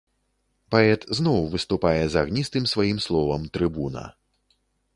Паэт зноў выступае з агністым сваім словам трыбуна.